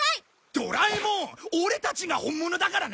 ドラえもんオレたちが本物だからな。